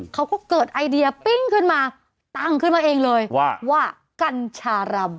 เขาก็เกิดไอเดียปิ้งขึ้นมาตั้งขึ้นมาเองเลยว่าว่ากัญชารำ